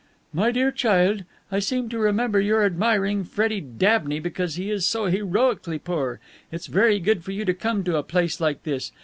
"My dear child, I seem to remember your admiring Freddy Dabney because he is so heroically poor. It's very good for you to come to a place like this.